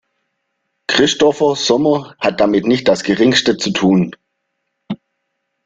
Christopher Sommer hat damit nicht das Geringste zu tun.